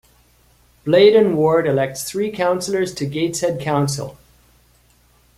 Blaydon ward elects three councillors to Gateshead Council.